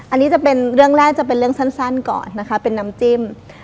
อันนี้จะเป็นเรื่องแรกจะเป็นเรื่องสั้นก่อนนะคะเป็นน้ำจิ้ม